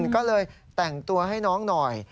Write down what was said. ก็เลยแต่งตัวให้น้องหน่อย